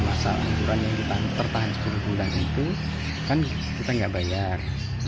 masa hancuran yang ditahan sepuluh bulan itu kan kita nggak bayar